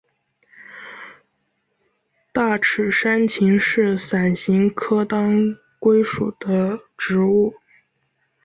大齿山芹是伞形科当归属的植物。